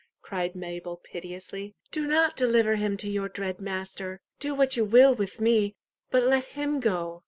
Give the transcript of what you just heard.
cried Mabel piteously; "do not deliver him to your dread master! Do what you will with me but let him go."